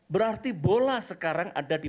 berarti bola sekarang ada di